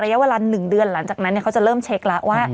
ระยะเวลา๑เดือนหลังจากนั้นเขาจะเริ่มเช็คแล้วว่า